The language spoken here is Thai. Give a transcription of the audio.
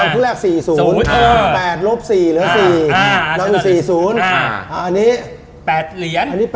อันนี้ก่อนกี่เหรียญ